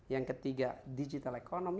yang ketiga digital government